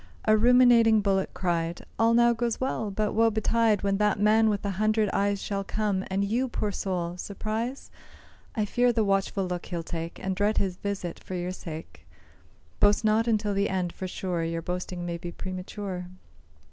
A ruminating bullock cried, "All now goes well; but woe betide When that man with the hundred eyes Shall come, and you, poor soul! surprise? I fear the watchful look he'll take, And dread his visit for your sake; Boast not until the end, for sure Your boasting may be premature."